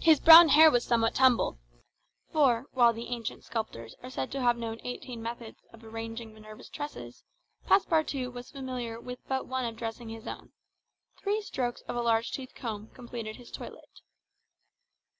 His brown hair was somewhat tumbled; for, while the ancient sculptors are said to have known eighteen methods of arranging Minerva's tresses, Passepartout was familiar with but one of dressing his own: three strokes of a large tooth comb completed his toilet.